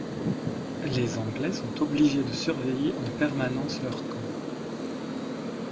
Les Anglais sont obligés de surveiller en permanence leur camp.